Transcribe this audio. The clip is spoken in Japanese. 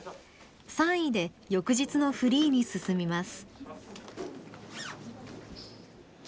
３位で翌日のフリーに進みます。